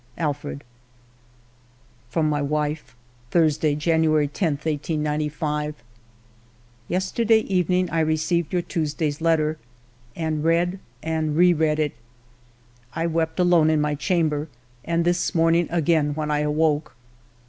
Alfred." From my wife :— "Thursday, January 10, 1895. "Yesterday evening I received your Tuesday's letter and read and re read it. I wept alone in my chamber, and this morning again when I awoke.